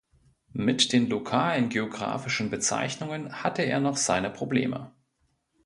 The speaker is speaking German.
Mit den lokalen geographischen Bezeichnungen hatte er noch seine Probleme.